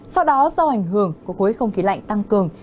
sau đó do ảnh hưởng của khối không khí lạnh tăng cường